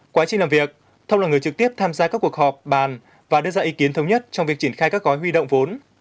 quá trình làm việc thông là người trực tiếp tham gia các cuộc họp bàn và đưa ra ý kiến thống nhất trong việc triển khai các gói huy động vốn